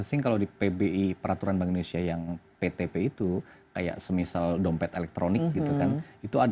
asing kalau di pbi peraturan bank indonesia yang ptp itu kayak semisal dompet elektronik gitu kan itu ada